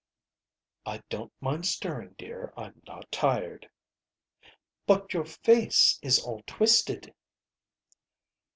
"I don't mind stirring, dear. I'm not tired." "But your face is all twisted."